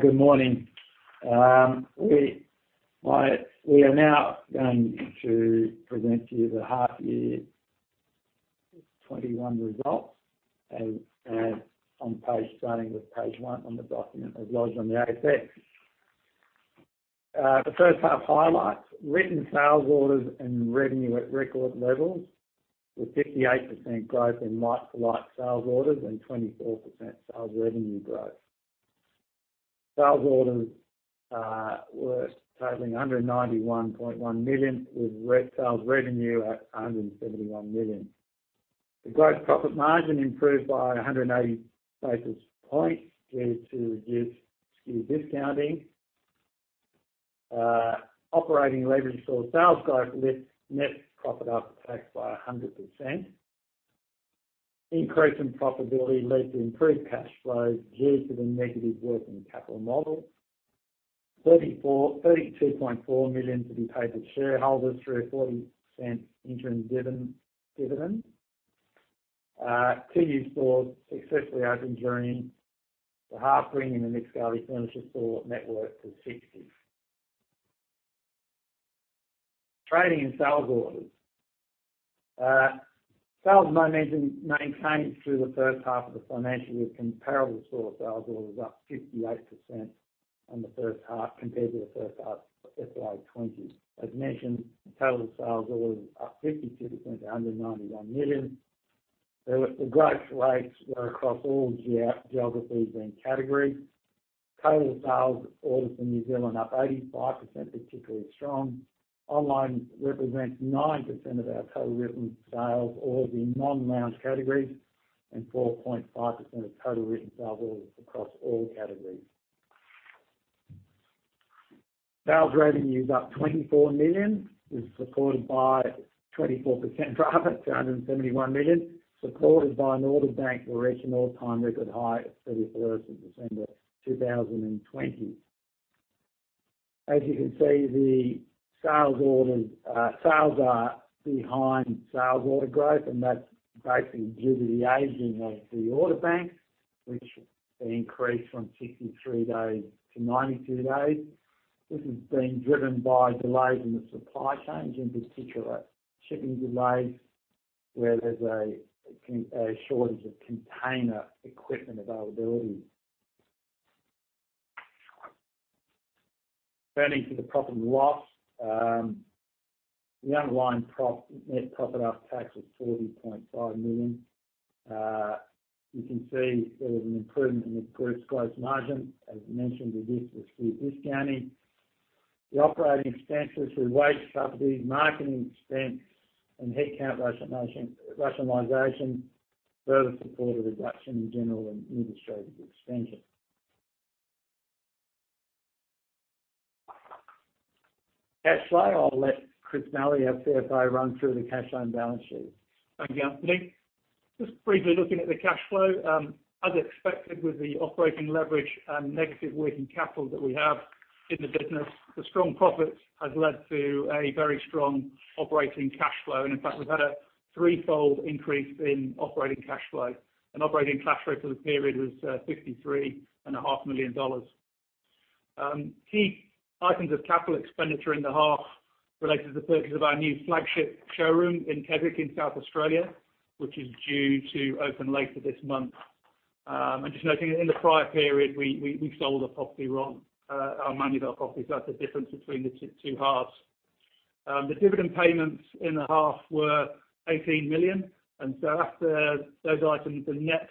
Good morning. We are now going to present to you the H1 2021 results, starting with page one on the document as lodged on the ASX. The first half highlights, written sales orders and revenue at record levels with 58% growth in like-for-like sales orders and 24% sales revenue growth. Sales orders worth totaling 191.1 million, with sales revenue at 171 million. The gross profit margin improved by 180 basis points due to reduced SKU discounting. Operating leverage saw sales growth lift net profit after tax by 100%. Increase in profitability led to improved cash flows due to the negative working capital model. 32.4 million to be paid to shareholders through a 0.40 interim dividend. Two new stores successfully opened during the half, bringing the Nick Scali Furniture store network to 60.Training and sales orders. Sales momentum maintained through the first half of the financial year with comparable store sales orders up 58% on the first half compared to the first half of FY20. As mentioned, total sales orders up 52% to 191 million. The growth rates were across all geographies and categories. Total sales orders from New Zealand up 85%, particularly strong. Online represents 9% of our total written sales orders in non-lounge categories and 4.5% of total written sales orders across all categories. Sales revenue is up 24 million. It was supported by 24% growth to 171 million, supported by an order bank which reached an all-time record high of 34 at December 2020. As you can see, the sales are behind sales order growth, that's basically due to the aging of the order bank, which increased from 63 days to 92 days. This has been driven by delays in the supply chains, in particular shipping delays where there's a shortage of container equipment availability. Turning to the profit and loss. The underlying net profit after tax was 40.5 million. You can see there was an improvement in the group's gross margin. As mentioned, it was reduced SKU discounting. The operating expenses through wage subsidies, marketing expense, and headcount rationalization further supported a reduction in general and administrative expenses. Cash flow, I'll let Chris Malley, our CFO, run through the cash and balance sheet. Thank you, Anthony. Just briefly looking at the cash flow. As expected with the operating leverage and negative working capital that we have in the business, the strong profits has led to a very strong operating cash flow. In fact, we've had a threefold increase in operating cash flow. Operating cash flow for the period was 53.5 million dollars. Key items of capital expenditure in the half related to the purchase of our new flagship showroom in Keswick in South Australia, which is due to open later this month. Just noting that in the prior period, we sold a property, our Mandurah property, so that's the difference between the two halves. The dividend payments in the half were 18 million. After those items, the net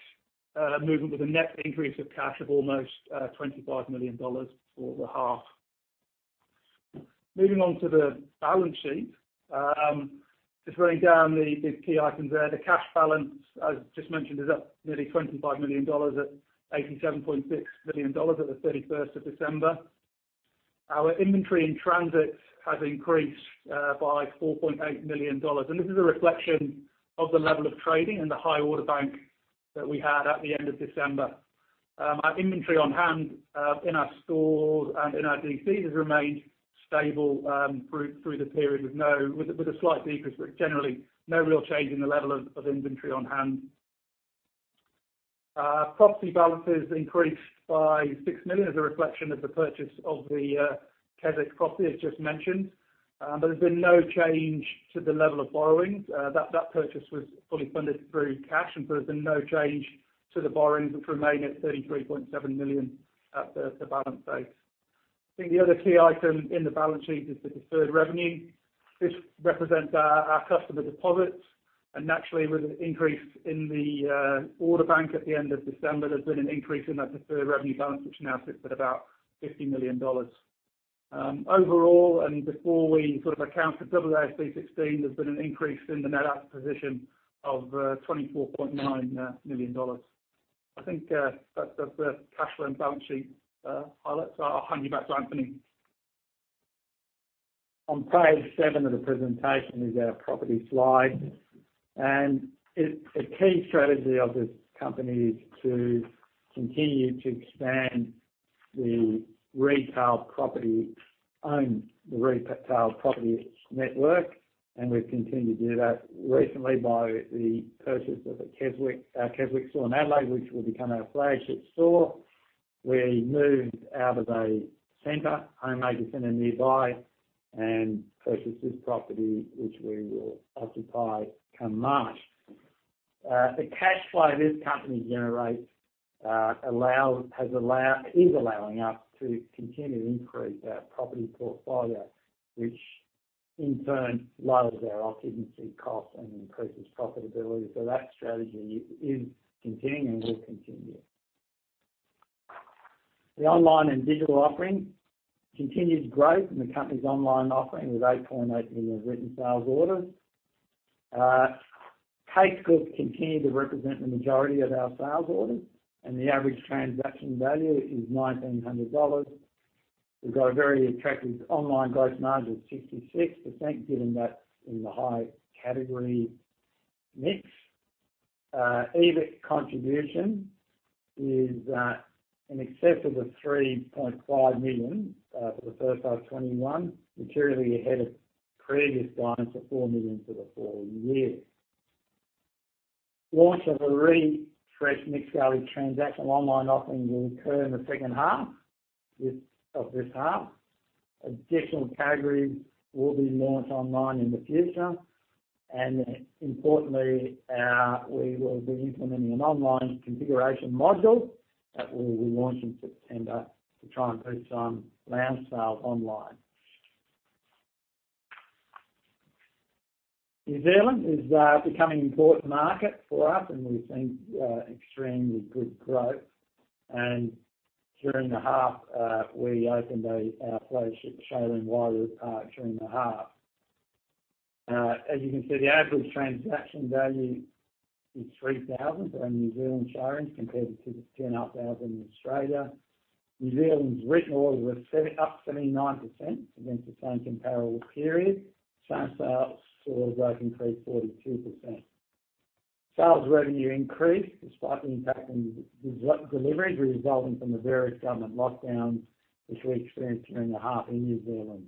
movement was a net increase of cash of almost 25 million dollars for the half. Moving on to the balance sheet. Just running down the key items there. The cash balance, as just mentioned, is up nearly 25 million dollars, at 87.6 million dollars at the 31st of December. Our inventory in transit has increased by 4.8 million dollars. This is a reflection of the level of trading and the high order bank that we had at the end of December. Our inventory on hand in our stores and in our DCs has remained stable through the period, with a slight decrease, but generally no real change in the level of inventory on hand. Property balances increased by 6 million as a reflection of the purchase of the Keswick property, as just mentioned. There's been no change to the level of borrowings. That purchase was fully funded through cash, there's been no change to the borrowings, which remain at 33.7 million at the balance date. I think the other key item in the balance sheet is the deferred revenue. This represents our customer deposits. Naturally, with an increase in the order bank at the end of December, there's been an increase in that deferred revenue balance, which now sits at about 50 million dollars. Overall, and before we account for AASB 16, there's been an increase in the net asset position of 24.9 million dollars. I think that's the cash flow and balance sheet highlights. I'll hand you back to Anthony. On page seven of the presentation is our property slide. A key strategy of this company is to continue to expand the retail property network. We've continued to do that recently by the purchase of our Keswick store in Adelaide, which will become our flagship store. We moved out of a center, Homemaker center nearby, and purchased this property, which we will occupy come March. The cash flow this company generates is allowing us to continue to increase our property portfolio, which in turn lowers our occupancy cost and increases profitability. That strategy is continuing and will continue. The online and digital offering continues growth in the company's online offering with 8.8 million written sales orders. Case goods continue to represent the majority of our sales orders, and the average transaction value is 1,900 dollars. We've got a very attractive online gross margin of 66%, given that's in the high category mix. EBIT contribution is in excess of the 3.5 million for the first half 2021, materially ahead of previous guidance of 4 million for the full year. Launch of a refreshed Nick Scali transaction online offering will occur in the second half of this half. Additional categories will be launched online in the future. Importantly, we will be implementing an online configuration module that will be launched in September to try and boost some lounge sales online. New Zealand is becoming an important market for us, we've seen extremely good growth. During the half, we opened our flagship showroom in Wairau Park during the half. As you can see, the average transaction value is 3,000 for our New Zealand showrooms compared to 10,500 in Australia. New Zealand's written orders were up 79% against the same comparable period. Same sales floor growth increased 42%. Sales revenue increased despite the impact on deliveries resulting from the various government lockdowns, which we experienced during the half in New Zealand.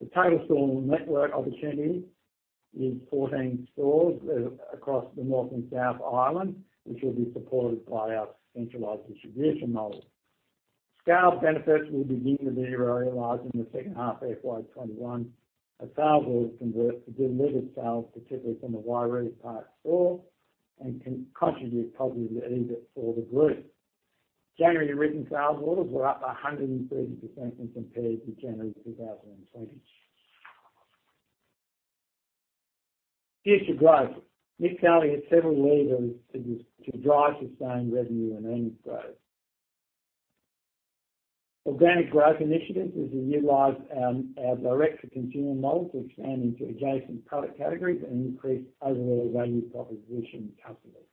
The total store network opportunity is 14 stores across the North and South Island, which will be supported by our centralized distribution model. Scale benefits will begin to be realized in the second half FY 2021 as sales orders convert to delivered sales, particularly from the Wairau Park store, and contribute positively to EBIT for the group. January written sales orders were up 130% when compared to January 2020. Future growth. Nick Scali has several levers to drive sustained revenue and earnings growth. Organic growth initiatives is we utilize our direct-to-consumer model to expand into adjacent product categories and increase overall value proposition to customers.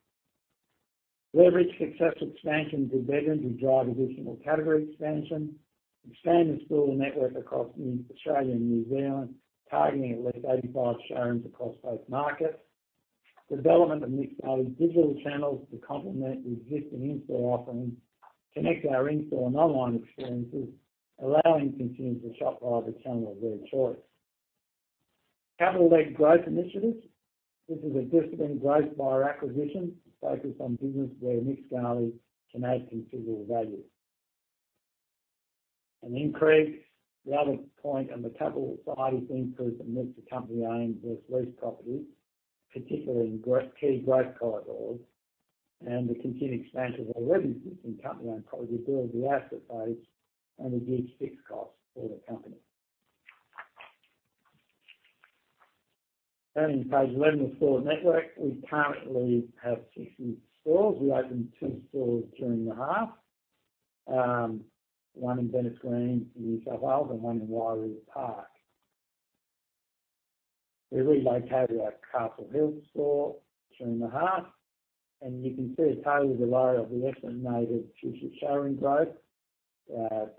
Leverage successful expansion to beddings to drive additional category expansion. Expand the store network across Australia and New Zealand, targeting at least 85 showrooms across both markets. Development of Nick Scali's digital channels to complement the existing in-store offerings. Connect our in-store and online experiences, allowing consumers to shop via the channel of their choice. Capital-led growth initiatives. This is a disciplined growth via acquisition to focus on business where Nick Scali can add considerable value. The other point on the capital side is the improvement of company-owned versus leased property, particularly in key growth corridors, and the continued expansion of our lettings in company-owned property builds the asset base and reduce fixed costs for the company. Turning to page 11, the store network. We currently have 60 stores. We opened two stores during the half, one in Bennetts Green in New South Wales and one in Wairau Park. We relocated our Castle Hill store during the half. You can see a total below of the estimated future showroom growth,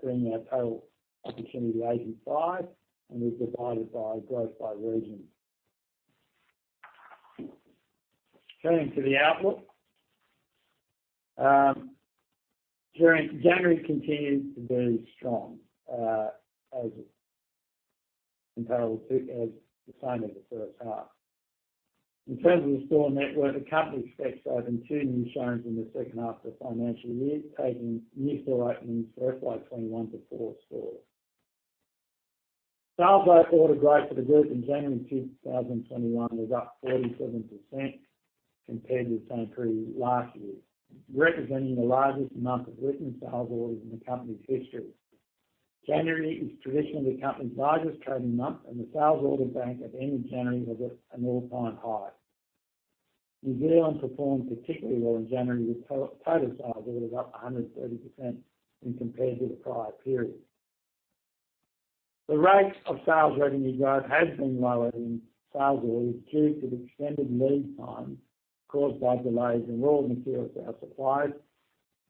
bringing our total opportunity to 85, and we've divided by growth by region. Turning to the outlook. January continued to be strong as the same as the first half. In terms of the store network, the company expects to open two new showrooms in the second half of the financial year, taking net store openings for FY 2021 to four stores. Sales by order growth for the group in January 2021 was up 47% compared with the same period last year, representing the largest month of written sales orders in the company's history. January is traditionally the company's largest trading month, the sales order bank at end of January was at an all-time high. New Zealand performed particularly well in January, with total sales orders up 130% when compared to the prior period. The rate of sales revenue growth has been lower than sales orders due to the extended lead times caused by delays in raw materials for our suppliers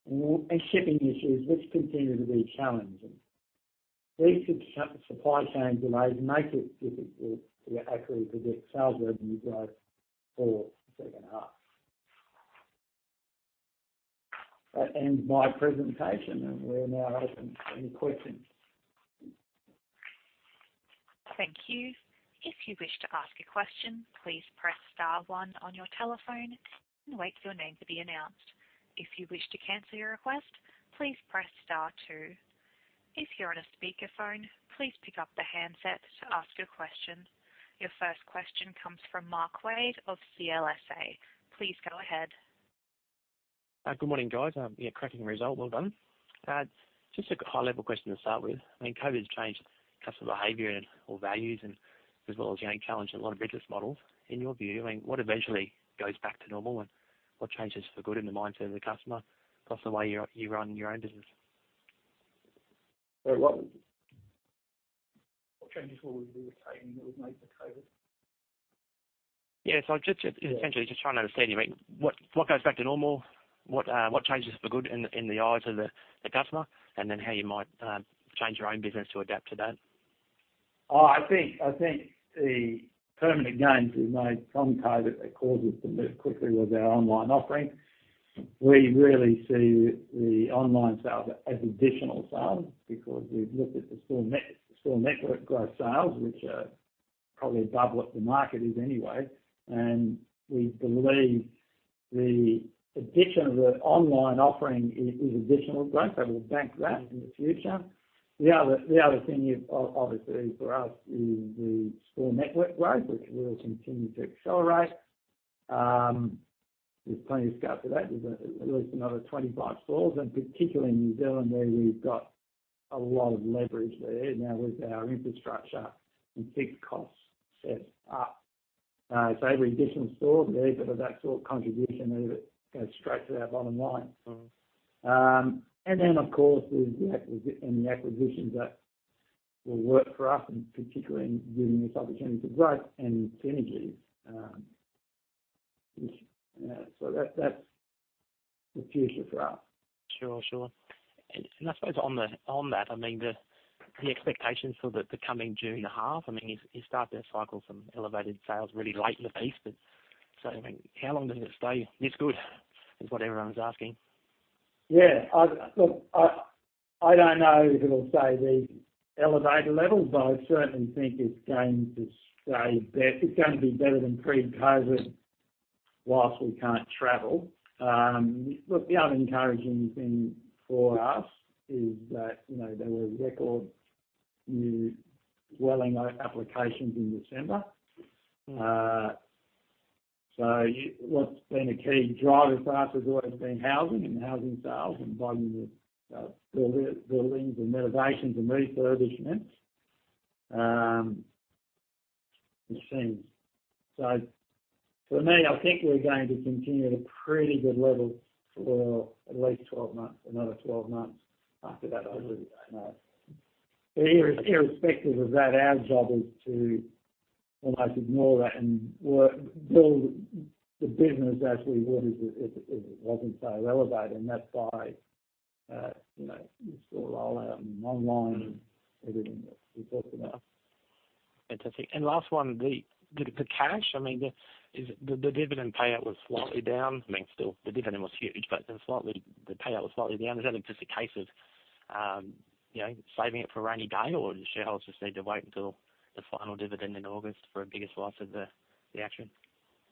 and shipping issues, which continue to be challenging. These supply chain delays make it difficult to accurately predict sales revenue growth for the second half. That ends my presentation, and we're now open to any questions. Thank you. If you wish to ask a question, please press star one on your telephone and wait for your name to be announced. If you wish to cancel your request, please press star two. If you're on a speakerphone, please pick up the handset to ask your question. Your first question comes from Mark Wade of CLSA. Please go ahead. Good morning, guys. Yeah, cracking result. Well done. Just a high-level question to start with. COVID has changed customer behavior and values and as well as challenged a lot of business models. In your view, what eventually goes back to normal and what changes for good in the mindset of the customer plus the way you run your own business? What changes will we be retaining that we've made for COVID? Yeah. Just essentially trying to understand what goes back to normal, what changes for good in the eyes of the customer, and then how you might change your own business to adapt to that. I think the permanent gains we've made from COVID that caused us to move quickly was our online offering. We really see the online sales as additional sales because we've looked at the store network growth sales, which are probably double what the market is anyway, and we believe the addition of the online offering is additional growth. We'll bank that in the future. The other thing obviously for us is the store network growth, which will continue to accelerate. There's plenty of scope for that. There's at least another 25 stores and particularly in New Zealand, where we've got a lot of leverage there now with our infrastructure and fixed costs set up. Every additional store there, bit of that contribution there that goes straight to our bottom line. Of course, any acquisitions that will work for us and particularly giving us opportunity to grow and synergies. That's the future for us. Sure. I suppose on that, the expectations for the coming June half, you're starting to cycle some elevated sales really late in the piece, but so how long does it stay this good? Is what everyone's asking. Yeah. Look, I don't know if it'll stay the elevated levels, but I certainly think it's going to be better than pre-COVID whilst we can't travel. Look, the other encouraging thing for us is that there were record new dwelling applications in December. What's been a key driver for us has always been housing and housing sales and volume of buildings and renovations and refurbishments. It seems. For me, I think we're going to continue at a pretty good level for at least another 12 months after that, I really don't know. Irrespective of that, our job is to almost ignore that and build the business as it wasn't so elevated, and that's why we store all our online and everything that we talked about. Fantastic. Last one, the cash, the dividend payout was slightly down. Still, the dividend was huge, but the payout was slightly down. Is that just a case of saving it for a rainy day, or do shareholders just need to wait until the final dividend in August for a bigger slice of the action?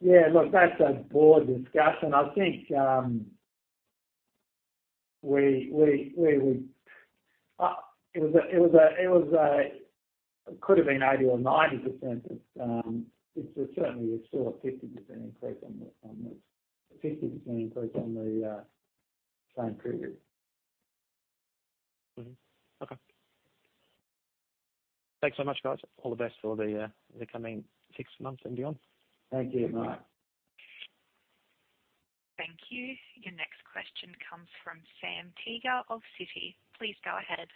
Look, that's a board discussion. I think it could've been 80% or 90%, but it's certainly still a 50% increase on the same period. Mm-hmm. Okay. Thanks so much, guys. All the best for the coming six months and beyond. Thank you, Mark. Thank you. Your next question comes from Sam Teeger of Citi. Please go ahead.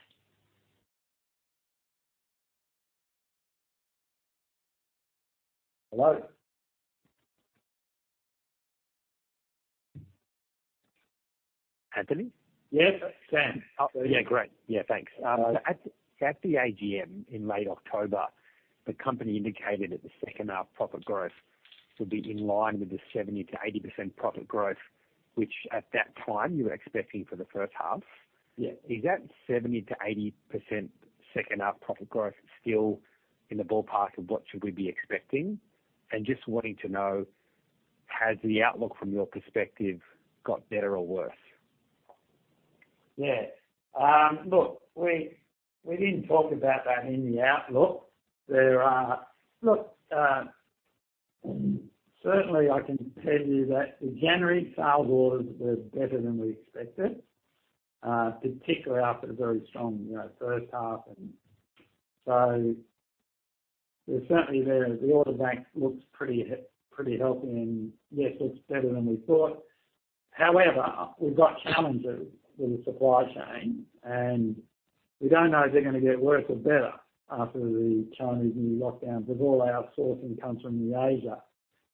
Hello. Anthony? Yes. Sam. Yeah. Great. Yeah, thanks. No worries. At the AGM in late October, the company indicated that the second half profit growth would be in line with the 70%-80% profit growth, which at that time you were expecting for the first half. Yeah. Is that 70%-80% second half profit growth still in the ballpark of what should we be expecting? Just wanting to know, has the outlook from your perspective got better or worse? Yeah. Look, we didn't talk about that in the outlook. Certainly, I can tell you that the January sales orders were better than we expected, particularly after a very strong first half. Certainly there, the order bank looks pretty healthy, and yes, looks better than we thought. However, we've got challenges with the supply chain, and we don't know if they're going to get worse or better after the Chinese New Year lockdowns because all our sourcing comes from Asia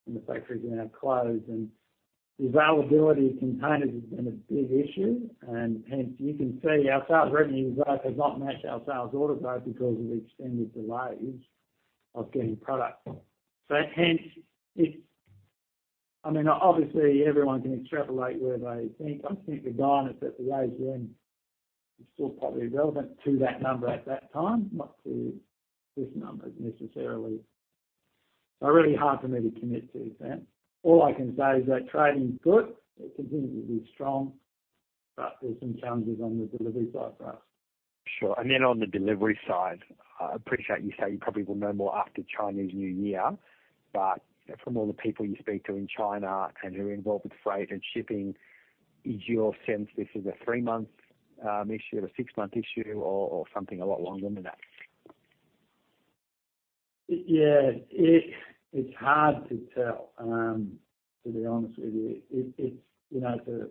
and the factories are now closed and the availability of containers has been a big issue and hence you can see our sales revenue growth has not matched our sales order growth because of the extended delays of getting product. I think the guidance at the AGMs is still probably relevant to that number at that time, not to this number necessarily. Really hard for me to commit to, Sam. All I can say is that trading's good, it continues to be strong, but there's some challenges on the delivery side for us. Sure. Then on the delivery side, I appreciate you say you probably will know more after Chinese New Year, but from all the people you speak to in China and who are involved with freight and shipping, is your sense this is a three-month issue, or a six-month issue, or something a lot longer than that? It's hard to tell, to be honest with you.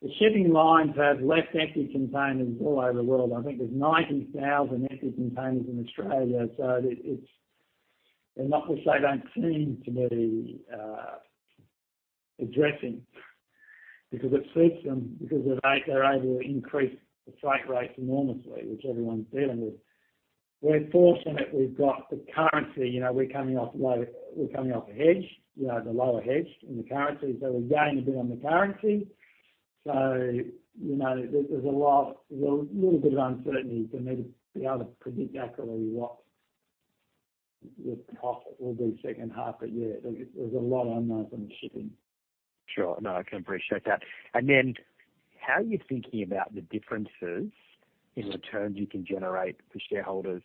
The shipping lines have less empty containers all over the world. I think there's 90,000 empty containers in Australia. They're not which they don't seem to be addressing because it suits them because they're able to increase the freight rates enormously, which everyone's dealing with. We're fortunate we've got the currency. We're coming off a hedge, the lower hedge in the currency, we gain a bit on the currency. There's a little bit of uncertainty for me to be able to predict accurately what the cost will be second half of the year. There's a lot unknowns on shipping. Sure. No, I can appreciate that. How are you thinking about the differences in returns you can generate for shareholders,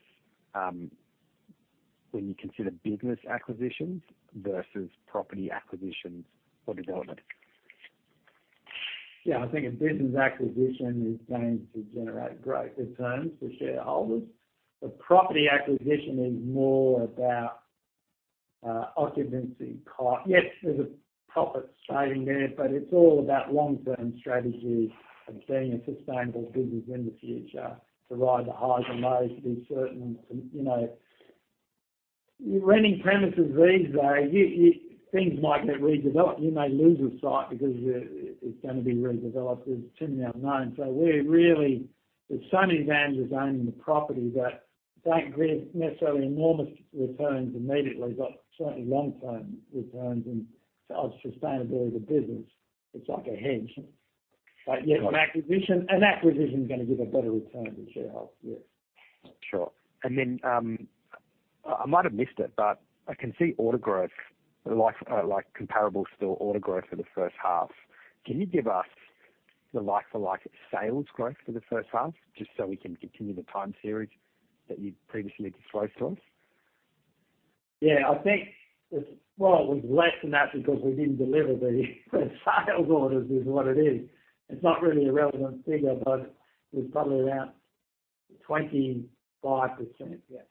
when you consider business acquisitions versus property acquisitions or development? Yeah, I think a business acquisition is going to generate great returns for shareholders. The property acquisition is more about occupancy cost. Yes, there's a profit trading there, but it's all about long-term strategies and being a sustainable business in the future to ride the highs and lows, be certain. Renting premises these days, things might get redeveloped. You may lose a site because it's going to be redeveloped. There's too many unknowns. There's so many advantages owning the property that don't give necessarily enormous returns immediately, but certainly long-term returns and sustainability of the business. It's like a hedge. Got it. an acquisition's gonna give a better return to shareholders, yes. Sure. I might have missed it, but I can see order growth, like comparable store order growth for the first half. Can you give us the like-for-like sales growth for the first half, just so we can continue the time series that you previously disclosed to us? Yeah, I think, well, it was less than that because we didn't deliver the sales orders is what it is. It's not really a relevant figure, it was probably around 25%. Yeah.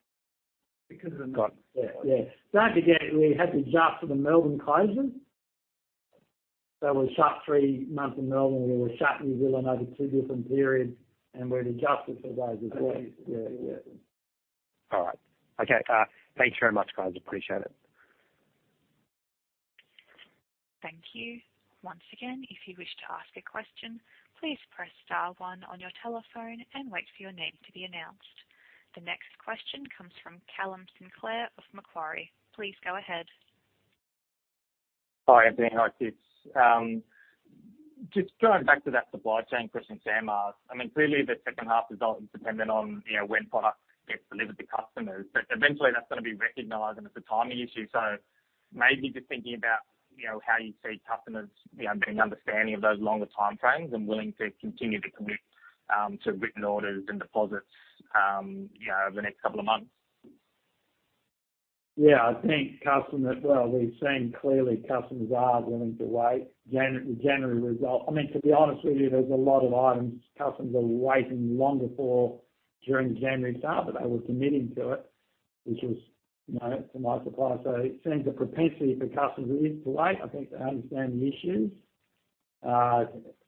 Because of the. Got it. Yeah. Don't forget, we had to adjust for the Melbourne closure. It was shut three months in Melbourne. We were shut in New Zealand over two different periods, we had adjusted for those as well. Okay. Yeah. All right. Okay. Thanks very much, guys. Appreciate it. Thank you. Once again, if you wish to ask a question, please press star one on your telephone and wait for your name to be announced. The next question comes from Callum Sinclair of Macquarie. Please go ahead. Hi, Anthony. Hi, Chris. Just going back to that supply chain question Sam asked. Clearly the second half is dependent on, when product gets delivered to customers, but eventually that's gonna be recognized and it's a timing issue. Maybe just thinking about, how you see customers being understanding of those longer time frames and willing to continue to commit, to written orders and deposits, over the next couple of months. Yeah, I think. Well, we've seen clearly customers are willing to wait. To be honest with you, there's a lot of items customers are waiting longer for during the January sale, but they were committing to it, which was, to my surprise. It seems a propensity for customers is to wait. I think they understand the issues.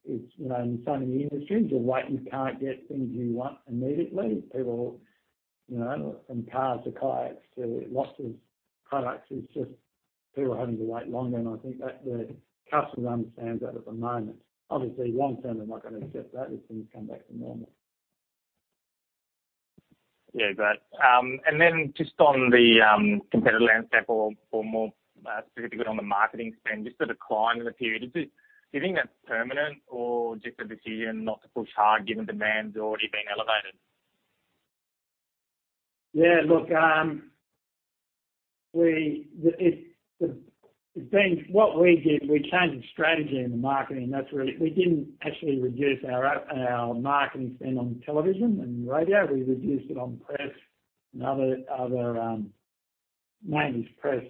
In so many industries, you're waiting, you can't get things you want immediately. From cars to kayaks to lots of products, it's just people are having to wait longer and I think that the customer understands that at the moment. Obviously, long-term, they're not gonna accept that if things come back to normal. Yeah. Great. Just on the competitive landscape or more specifically on the marketing spend, just the decline in the period, do you think that's permanent or just a decision not to push hard given demand's already been elevated? Yeah, look, what we did, we changed strategy in the marketing. We didn't actually reduce our marketing spend on television and radio. We reduced it on press and other mainly press.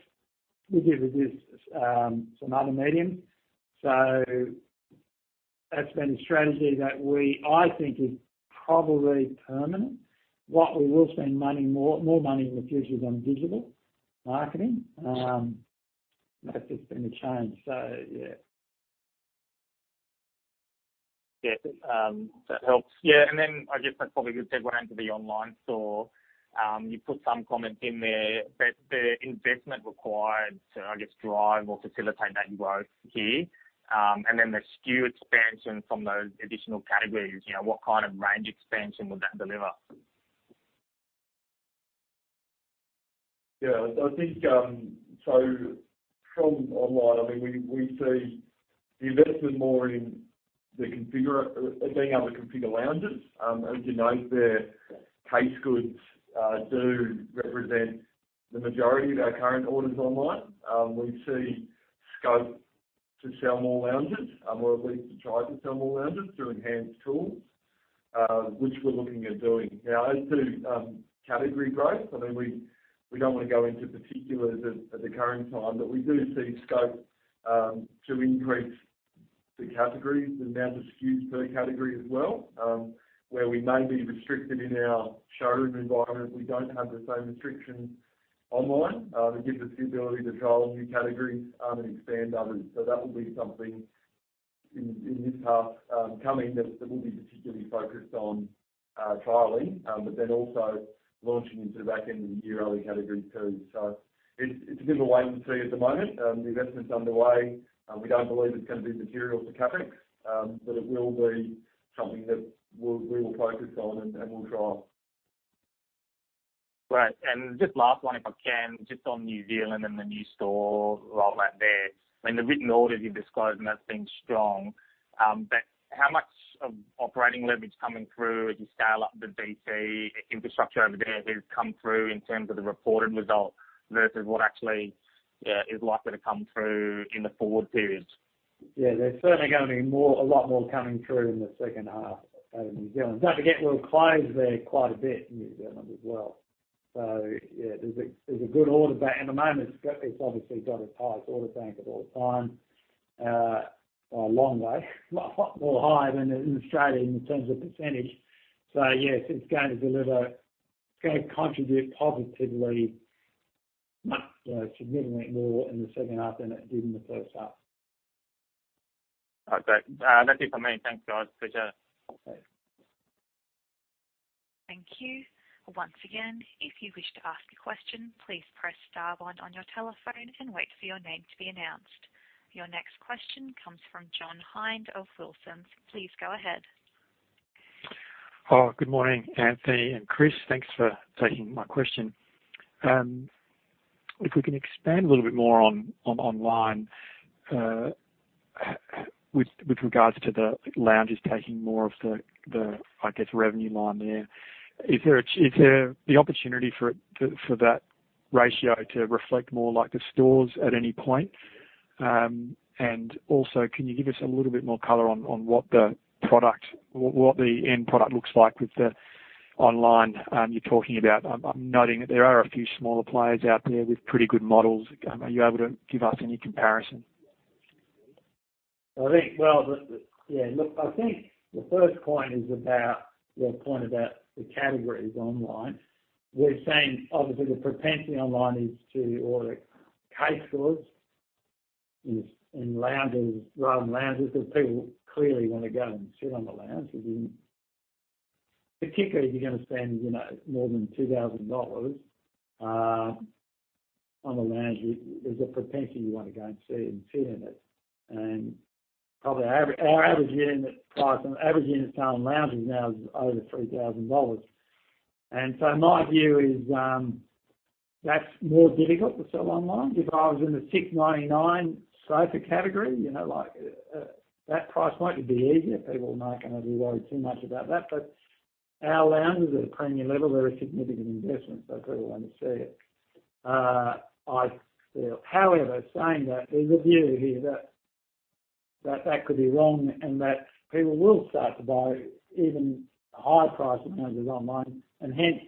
We did reduce some other mediums. That's been a strategy that I think is probably permanent. What we will spend more money in the future is on digital marketing. That's just been the change. Yeah. Yeah. That helps. I guess that probably would segue into the online store. You put some comments in there that the investment required to, I guess, drive or facilitate that growth here, and then the SKU expansion from those additional categories, what kind of range expansion would that deliver? Yeah. From online, we see the investment more in being able to configure lounges. As you know, their case goods do represent the majority of our current orders online. We see scope to sell more lounges, or at least to try to sell more lounges through enhanced tools, which we're looking at doing. As to category growth, we don't want to go into particulars at the current time, but we do see scope to increase the categories, the amount of SKUs per category as well, where we may be restricted in our showroom environment. We don't have the same restrictions online. It gives us the ability to trial new categories and expand others. That will be something in this path coming that we'll be particularly focused on trialing, also launching into the back end of the year early category two. It's a bit of a wait and see at the moment. The investment's underway. We don't believe it's going to be material to CapEx, but it will be something that we will focus on and we'll trial. Right. Just last one, if I can, just on New Zealand and the new store rollout there? I mean, the written orders you've disclosed and that's been strong. How much of operating leverage coming through as you scale up the DC infrastructure over there has come through in terms of the reported result versus what actually is likely to come through in the forward periods? Yeah, there's certainly going to be a lot more coming through in the second half out of New Zealand. Don't forget, we're closed there quite a bit in New Zealand as well. Yeah, there's a good order bank. At the moment, it's obviously got its highest order bank of all time, by a long way. A lot more higher than in Australia in terms of %. Yes, it's going to contribute positively much significantly more in the second half than it did in the first half. Okay. That's it from me. Thanks, guys. Appreciate it. Okay. Thank you. Once again, if you wish to ask a question, please press star one on your telephone and wait for your name to be announced. Your next question comes from John Hind of Wilsons. Please go ahead. Oh, good morning, Anthony and Chris. Thanks for taking my question. If we can expand a little bit more on online with regards to the lounges taking more of the, I guess, revenue line there. Is there the opportunity for that ratio to reflect more like the stores at any point? Also, can you give us a little bit more color on what the end product looks like with the online you're talking about? I'm noting that there are a few smaller players out there with pretty good models. Are you able to give us any comparison? Yeah, look, I think the first point is about the categories online. We're seeing obviously the propensity online is to order case goods and rather than lounges, because people clearly want to go and sit on the lounges. Particularly if you're going to spend more than 2,000 dollars on a lounge, there's a propensity you want to go and see and sit in it. Probably our average unit price on average unit sale on lounges now is over 3,000 dollars. My view is that's more difficult to sell online. If I was in the 699 sofa category, that price point would be easier. People are not going to be worried too much about that. Our lounges are at a premium level. They're a significant investment, people want to see it. However, saying that, there's a view here that that could be wrong and that people will start to buy even higher priced lounges online, and hence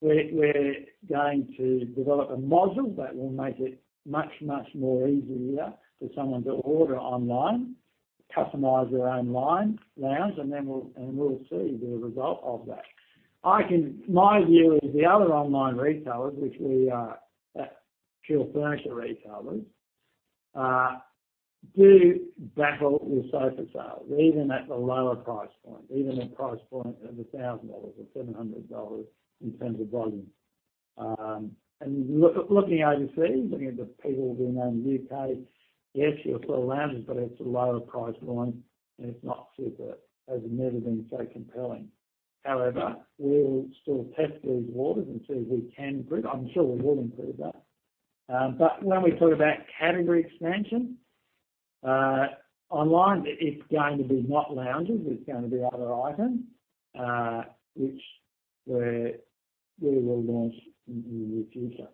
we're going to develop a module that will make it much, much more easier for someone to order online, customize their own lounge, and we'll see the result of that. My view is the other online retailers, which we are pure furniture retailers, do battle with sofa sales, even at the lower price point, even at price point of 1,000 dollars or 700 dollars in terms of volume. And looking overseas, looking at the people we know in the U.K., yes, you'll sell lounges, but it's a lower price point and it's not super. Has never been so compelling. However, we'll still test these waters and see if we can improve. I'm sure we will improve that. When we talk about category expansion, online, it's going to be not lounges, it's going to be other items, which we will launch in the near future.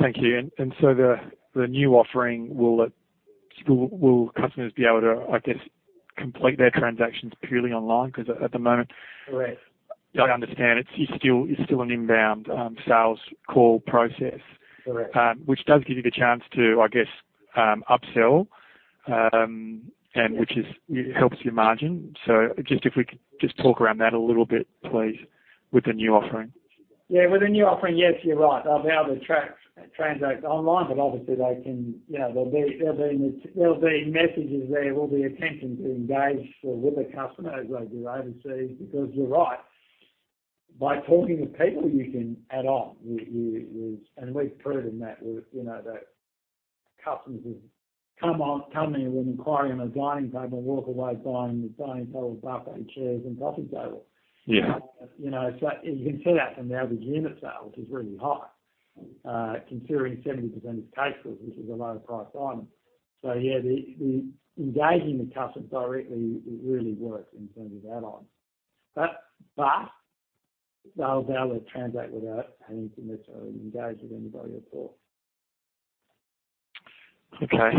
Thank you. The new offering, will customers be able to, I guess, complete their transactions purely online? Correct I understand it's still an inbound sales call process. Correct. Which does give you the chance to, I guess, upsell and which helps your margin. Just if we could just talk around that a little bit, please, with the new offering. With the new offering, yes, you're right. They'll be able to transact online, but obviously there'll be messages there, or the intention to engage with the customer as they do overseas. You're right, by talking with people, you can add on. We've proven that with customers come in with an inquiry on a dining table and walk away buying the dining table, buffet, chairs, and coffee table. Yeah. You can see that from the average unit sales is really high, considering 70% is case goods, which is a lower-priced item. Yeah, engaging the customer directly, it really works in terms of add-ons. They'll be able to transact without having to necessarily engage with anybody at all. Okay.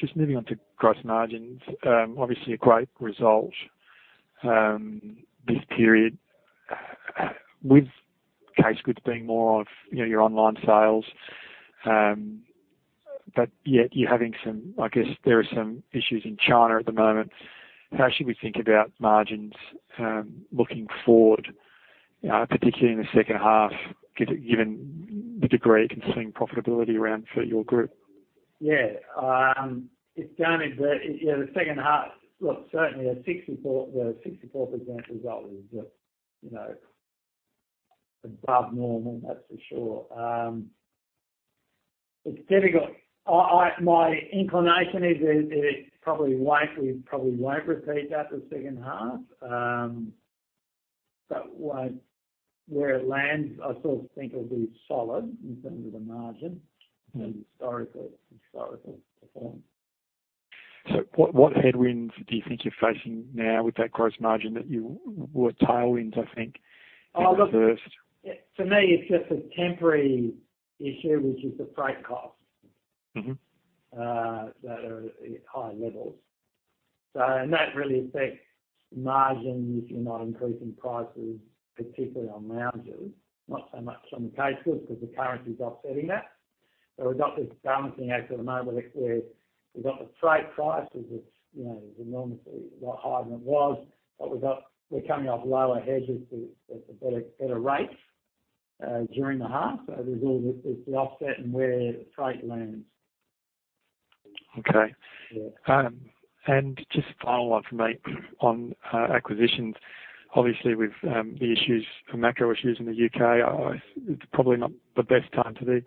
Just moving on to gross margins. Obviously, a great result this period with case goods being more of your online sales. Yet you're having some issues in China at the moment. How should we think about margins looking forward, particularly in the second half, given the degree you can see profitability around for your group? Yeah. Yeah, the second half, look, certainly the 64% result was just above normal, that's for sure. It's difficult. My inclination is that it probably won't repeat that the second half. Where it lands, I think it'll be solid in terms of the margin and historical performance. What headwinds do you think you're facing now with that gross margin that were tailwinds? Oh, look- You reversed? For me, it's just a temporary issue, which is the freight cost. that are at high levels. That really affects margins if you're not increasing prices, particularly on lounges, not so much on the case goods because the currency's offsetting that. We've got this balancing act at the moment where we've got the freight prices, it's enormously a lot higher than it was. We're coming off lower hedges at a better rate during the half. It's the offset and where the freight lands. Okay. Yeah. Just a final one from me on acquisitions. Obviously, with the issues, the macro issues in the U.K., it's probably not the best time to be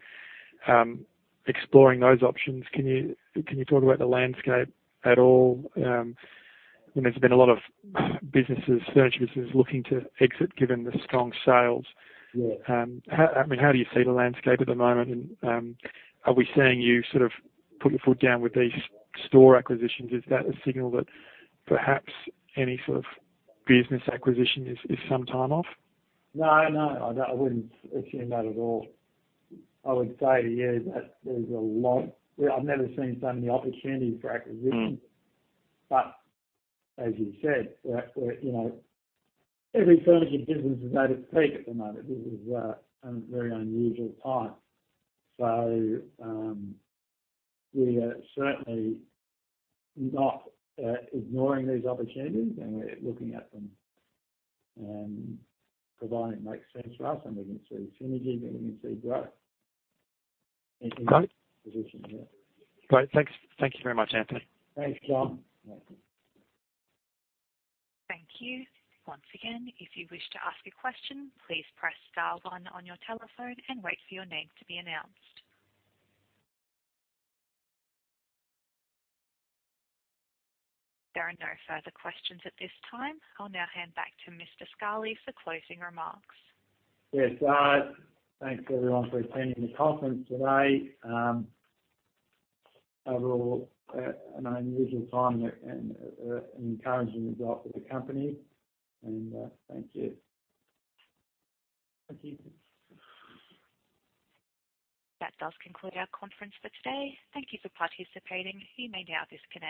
exploring those options. Can you talk about the landscape at all? There's been a lot of businesses, furniture businesses looking to exit given the strong sales. Yeah. How do you see the landscape at the moment? Are we seeing you sort of put your foot down with these store acquisitions? Is that a signal that perhaps any sort of business acquisition is some time off? No, I wouldn't assume that at all. I would say to you that I've never seen so many opportunities for acquisitions. As you said, every furniture business is at its peak at the moment. This is a very unusual time. We are certainly not ignoring these opportunities, and we're looking at them, provided it makes sense for us and we can see synergies and we can see growth. Got it. Acquisitions, yeah. Great. Thanks. Thank you very much, Anthony. Thanks, John. Thank you. Once again, if you wish to ask a question, please Press Star one on your telephone and wait for your name to be announced. There are no further questions at this time. I'll now hand back to Mr. Scali for closing remarks. Yes. Thanks, everyone, for attending the conference today. Overall, an unusual time and encouraging result for the company. Thank you. Thank you. That does conclude our conference for today. Thank you for participating. You may now disconnect.